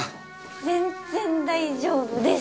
全然大丈夫です！